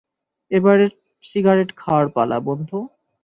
এবার সিগারেট খাওয়ার পালা, বন্ধু।